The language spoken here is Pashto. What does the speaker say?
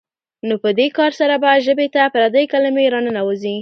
نو په دې کار سره به ژبې ته پردۍ کلمې راننوځي.